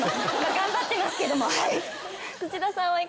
頑張ってますけどもはい。